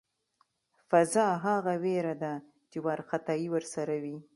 فذع هغه وېره ده چې وارخطایی ورسره وي.